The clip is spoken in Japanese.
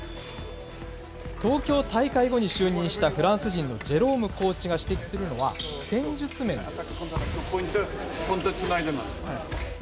東京大会後に就任したフランス人のジェロームコーチが指摘するのは、戦術面です。